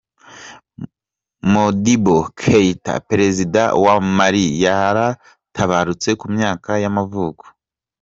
Modibo Keïta, perezida wa Mali yaratabarutse, ku myaka y’amavuko.